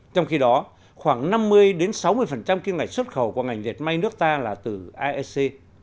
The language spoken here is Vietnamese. trong khi đó khoảng năm mươi sáu mươi kim ngạch xuất khẩu của ngành diệt may nước ta là từ aec